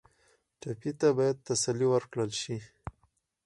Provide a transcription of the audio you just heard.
ټپي ته باید تسلي ورکړل شي.